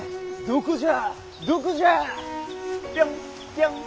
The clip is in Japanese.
「ここじゃ。